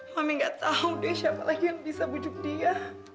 kami gak tahu deh siapa lagi yang bisa bujuk dia